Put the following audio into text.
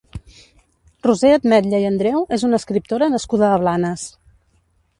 Roser Atmetlla i Andreu és una escriptora nascuda a Blanes.